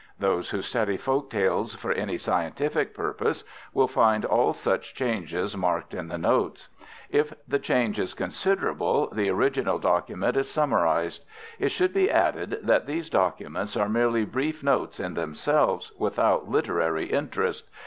Those who study folk tales for any scientific purpose will find all such changes marked in the Notes. If the change is considerable, the original document is summarised. It should be added that these documents are merely brief Notes in themselves, without literary interest.